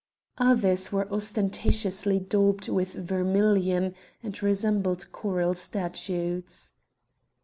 Others were ostentatiously daubed with vermilion, and resembled coral statues.